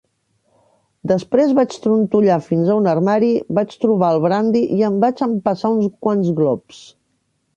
Després vaig trontollar fins a un armari, vaig trobar el brandi i em vaig empassar uns quants glops.